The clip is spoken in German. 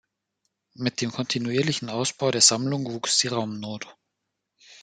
Mit dem kontinuierlichen Ausbau der Sammlung wuchs die Raumnot.